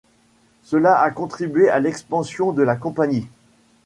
Cela a contribué à l’expansion de la compagnie.